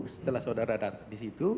setelah saudara datang di situ